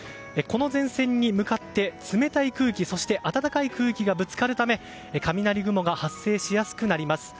この前線に向かって冷たい空気そして暖かい空気がぶつかるため雷雲が発生しやすくなります。